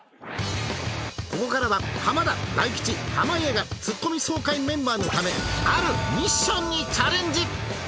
ここからは浜田・大吉・濱家がツッコミ総会メンバーのためあるミッションにチャレンジ！